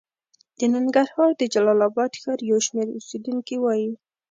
د ننګرهار د جلال اباد ښار یو شمېر اوسېدونکي وايي